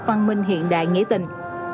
văn minh hiện đại nghĩa tình